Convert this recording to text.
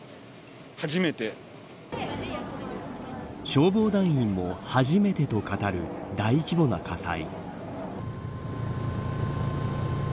消防団員も初めてと語る大規模な火災。